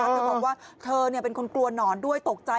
เธอบอกว่าเธอเป็นคนกลัวหนอนด้วยตกใจ